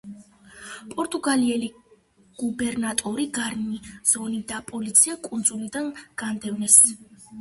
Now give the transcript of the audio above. პორტუგალიელი გუბერნატორი, გარნიზონი და პოლიცია კუნძულიდან განდევნეს.